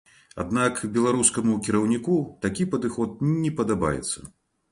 Аднак беларускаму кіраўніку такі падыход не падабаецца.